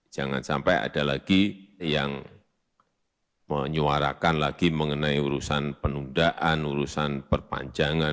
jangan sampai ada lagi yang menyuarakan lagi mengenai urusan penundaan urusan perpanjangan